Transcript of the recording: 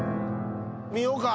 見ようか。